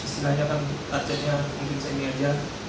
setidaknya kan targetnya mungkin segini saja